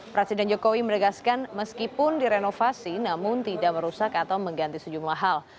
presiden jokowi menegaskan meskipun direnovasi namun tidak merusak atau mengganti sejumlah hal